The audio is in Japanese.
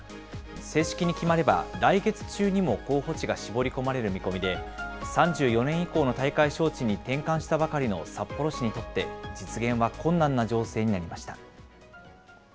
正式に決まれば、来月中にも候補地が絞り込まれる見込みで、３４年以降の大会招致に転換したばかりの札幌市にとって、実現は困難な情勢になりました。